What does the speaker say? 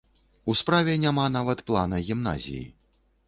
У справе няма нават плана гімназіі.